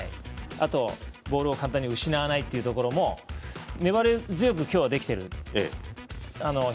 あとボールを簡単に失わないというところも粘り強く今日はできていて。